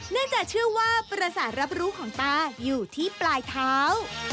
เนื่องจากเชื่อว่าประสาทรับรู้ของตาอยู่ที่ปลายเท้า